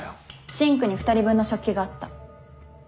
シンクに２人分の食器があった。